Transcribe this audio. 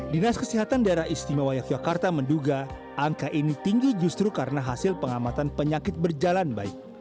dinas kesehatan daerah istimewa yogyakarta menduga angka ini tinggi justru karena hasil pengamatan penyakit berjalan baik